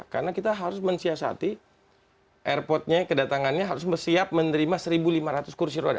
karena kita harus mensiasati airportnya kedatangannya harus siap menerima seribu lima ratus kursi roda